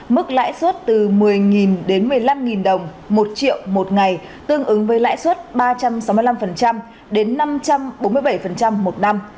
mức lãi suất từ một mươi đến một mươi năm đồng một triệu một ngày tương ứng với lãi suất ba trăm sáu mươi năm đến năm trăm bốn mươi bảy một năm